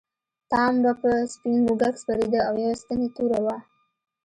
ټام به په سپین موږک سپرېده او یوه ستن یې توره وه.